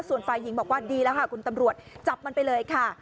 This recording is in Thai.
ส่วนฝ่ายหญิงบอกว่าดีแล้วค่ะคุณตำรวจจับมันไปเลยค่ะ